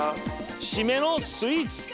締めのスイーツ。